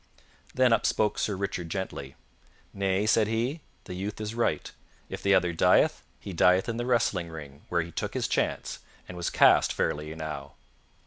Then up spoke Sir Richard gently. "Nay," said he, "the youth is right; if the other dieth, he dieth in the wrestling ring, where he took his chance, and was cast fairly enow."